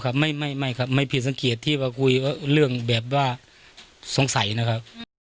ครับไม่ครับไม่ผิดสังเกตที่ว่าคุยเรื่องแบบว่าสงสัยนะครับ